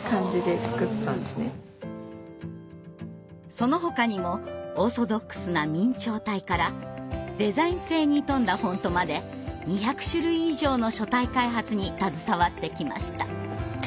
そのほかにもオーソドックスな明朝体からデザイン性に富んだフォントまで２００種類以上の書体開発に携わってきました。